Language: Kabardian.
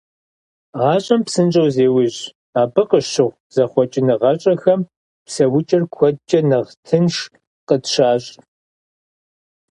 Гъащӏэм псынщӏэу зеужь, абы къыщыхъу зэхъуэкӏыныгъэщӏэхэм псэукӏэр куэдкӏэ нэхъ тынш къытщащӏ.